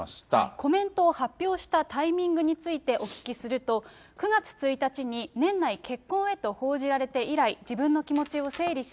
コメントを発表したタイミングについてお聞きすると、９月１日に年内結婚へと報じられて以来、自分の気持ちを整理し、